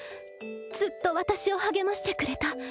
ずっと私を励ましてくれた。